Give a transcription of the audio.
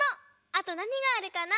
あとなにがあるかな？